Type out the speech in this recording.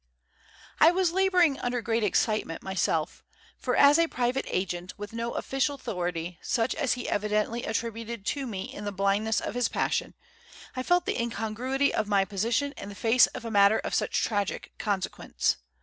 I was labouring under great excitement myself, for as a private agent with no official authority such as he evidently attributed to me in the blindness of his passion, I felt the incongruity of my position in the face of a matter of such tragic consequence.